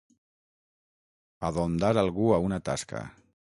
Adondar algú a una tasca.